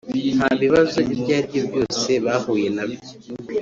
nta “bibazo ibyo ari byo byose” bahuye na byo